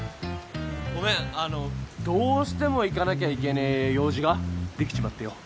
ごめんあのどうしても行かなきゃいけねえ用事ができちまってよ。